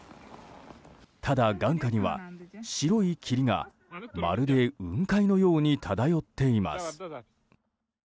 ただ、眼下には白い霧がまるで雲海のように漂っています。